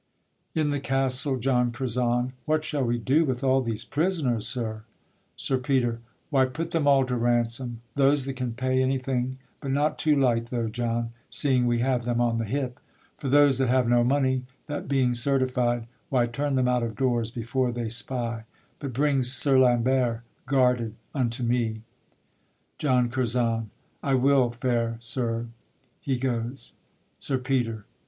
In the Castle. JOHN CURZON. What shall we do with all these prisoners, sir? SIR PETER. Why, put them all to ransom, those that can Pay anything, but not too light though, John, Seeing we have them on the hip: for those That have no money, that being certified, Why, turn them out of doors before they spy; But bring Sir Lambert guarded unto me. JOHN CURZON. I will, fair sir. [He goes. SIR PETER.